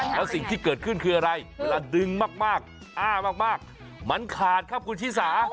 แล้วสิ่งที่เกิดขึ้นคืออะไรเวลาดึงมากอ้ามากมันขาดครับคุณชิสา